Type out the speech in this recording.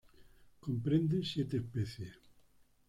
Comprende siete especies.